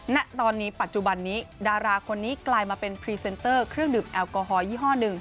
ณตอนนี้ปัจจุบันนี้ดาราคนนี้กลายมาเป็นพรีเซนเตอร์เครื่องดื่มแอลกอฮอลยี่ห้อหนึ่ง